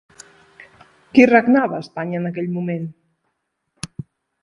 Qui regnava a Espanya en aquell moment?